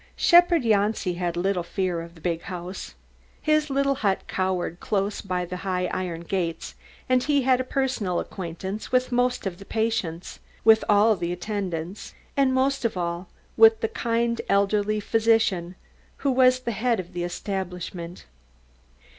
Shepherd Janci had little fear of the big house. His little hut cowered close by the high iron gates, and he had a personal acquaintance with most of the patients, with all of the attendants, and most of all, with the kind elderly physician who was the head of the establishment.